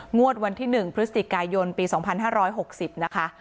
งวดวันที่หนึ่งพฤติกายยนต์ปีสองพันห้าร้อยหกสิบนะคะ